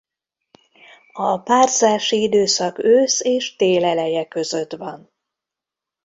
A párzási időszak ősz és tél eleje között van.